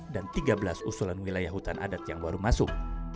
dan tiga belas usulan wilayah hutan adat yang baru masuk